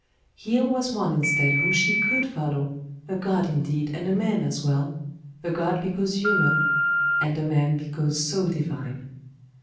Here was one instead whom she could follow, a god indeed and a man as well a god because human, and a man because so divine.